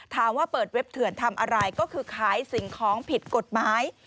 เปิดเว็บเถื่อนทำอะไรก็คือขายสิ่งของผิดกฎหมาย